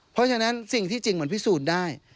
เพราะฉะนั้นสิ่งที่จริงมันพิสูจน์ได้